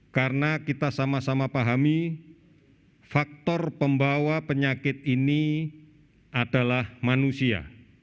karena kita sama sama pahami faktor pembawa penyakit ini adalah manusia